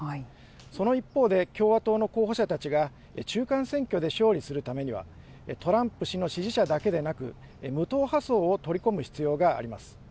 その一方で、共和党の候補者たちが、中間選挙で勝利するためには、トランプ氏の支持者だけでなく、無党派層を取り込む必要があります。